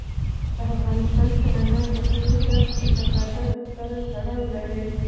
په افغانستان کې انار د خلکو د اعتقاداتو سره تړاو لري.